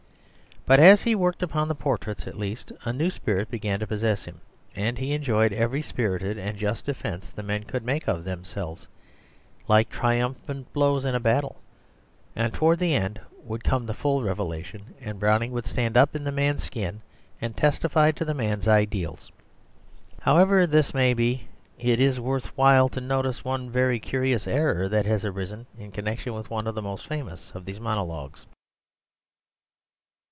But as he worked upon the portraits at least, a new spirit began to possess him, and he enjoyed every spirited and just defence the men could make of themselves, like triumphant blows in a battle, and towards the end would come the full revelation, and Browning would stand up in the man's skin and testify to the man's ideals. However this may be, it is worth while to notice one very curious error that has arisen in connection with one of the most famous of these monologues.